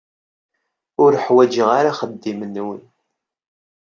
Ur ḥwaǧeɣ ara axeddim-nwen.